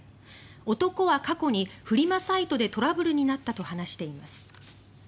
男は過去にフリマサイトでトラブルになったと話しています。